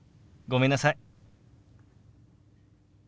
ごめんなさい。